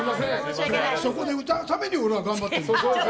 そこで歌うために俺は頑張ってるんだから。